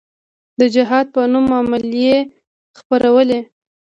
د جهاد په نوم اعلامیې خپرولې.